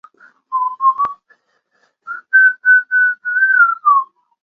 马克姆位于。